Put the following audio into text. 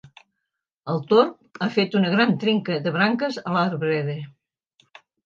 El torb ha fet una gran trenca de branques a l'arbreda.